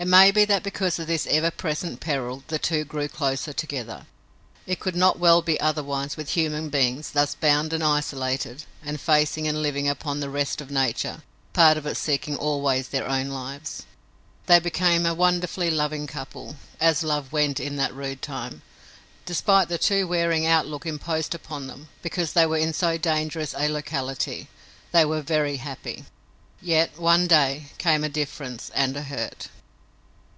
It may be that because of this ever present peril the two grew closer together. It could not well be otherwise with human beings thus bound and isolated and facing and living upon the rest of nature, part of it seeking always their own lives. They became a wonderfully loving couple, as love went in that rude time. Despite the too wearing outlook imposed upon them, because they were in so dangerous a locality, they were very happy. Yet, one day, came a difference and a hurt.